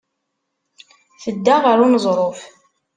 Tedda ɣer uneẓruf.